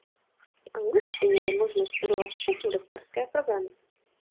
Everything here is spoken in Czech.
V angličtině je možno studovat všechny doktorské programy.